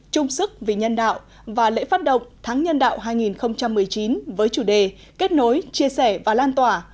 trung sức vì nhân đạo và lễ phát động tháng nhân đạo hai nghìn một mươi chín với chủ đề kết nối chia sẻ và lan tỏa